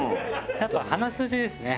あと鼻筋ですね